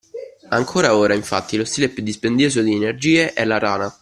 Ancora ora, infatti, lo stile più dispendioso di energie è la rana